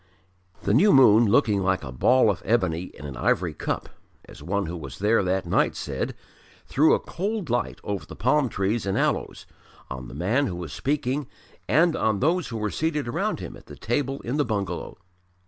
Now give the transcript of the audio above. The new moon, looking "like a ball of ebony in an ivory cup," as one who was there that night said threw a cold light over the palm trees and aloes, on the man who was speaking and on those who were seated around him at the table in the bungalow.